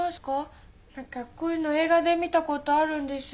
何かこういうの映画で見たことあるんですよ。